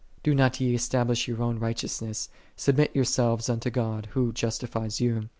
Do not ye establish your own righteousness; submit yourselves unto God Who justifies you.